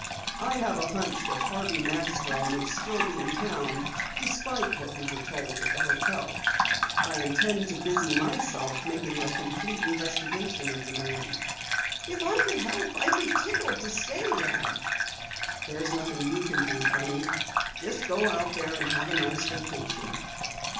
"I have a hunch that Harvey Maxwell may still be in town, despite what we were told at the hotel. I intend to busy myself making a complete investigation of the man." "If I could help, I'd be tickled to stay, Dad." "There's nothing you can do, Penny. Just go out there and have a nice vacation."